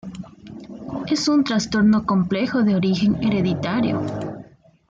Es un trastorno complejo de origen hereditario.